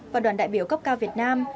và đoàn đại biểu cấp cao việt nam